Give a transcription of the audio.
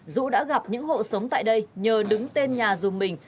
dũ đã gặp những hộ sống tại đây nhờ đứng tên nhà dùm mình